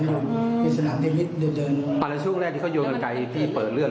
แขนหักแขนซ้ายหักแล้วก็ขาก็น่าจะหักเร็ง